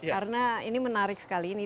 karena ini menarik sekali ini